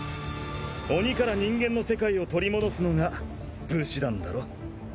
鬼から人間の世界を取り戻すのが武士団だろ？